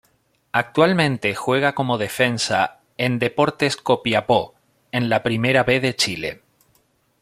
Actualmente juega como defensa, en Deportes Copiapó en la Primera B de Chile.